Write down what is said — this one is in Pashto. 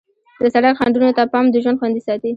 د سړک خنډونو ته پام د ژوند خوندي ساتي.